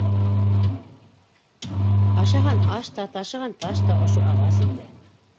Ашаған аш та, ташыған таш та ошо ағас ине.